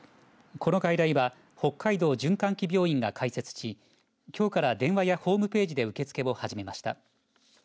この外来は北海道循環器病院が開設しきょうから電話やホームページで受け付けも始めました。